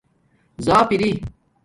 زراپ اری